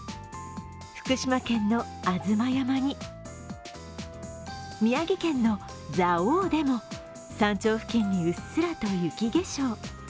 福島県の吾妻山に、宮城県の蔵王でも山頂付近にうっすらと雪化粧。